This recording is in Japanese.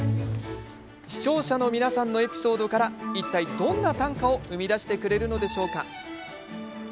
視聴者の皆さんからのエピソードからいったい、どんな短歌を生み出してくれるのでしょうか。